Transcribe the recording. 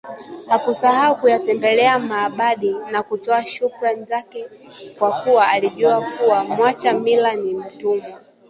Hakusahau kuyatembelea maabadi na kutoa shukrani zake kwa kuwa alijua kuwa mwacha mila ni mtumwa